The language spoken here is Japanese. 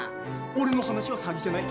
俺の話は詐欺じゃない。